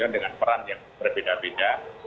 dengan peran yang berbeda beda